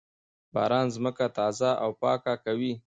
باران ځمکه تازه او پاکه کوي.